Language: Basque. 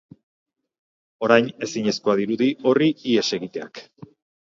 Orain ezinezkoa dirudi horri ihes egiteak.